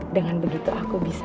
dengan begitu aku bisa